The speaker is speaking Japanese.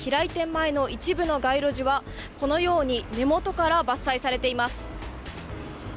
前の一部の街路樹はこのように根元から伐採されています。